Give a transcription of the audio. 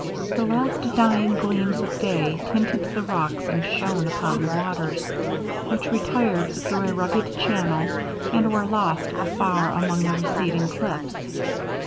The last dying gleams of day tinted the rocks and shone upon the waters, which retired through a rugged channel and were lost afar among the receding cliffs.